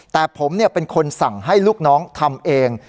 แต่ผมเป็นคนสั่งให้ลูกน้องทำเอง